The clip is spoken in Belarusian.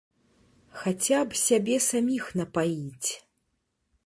Хаця б сябе саміх напаіць.